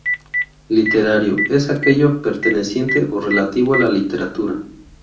Literario: Es aquello perteneciente o relativo a la literatura.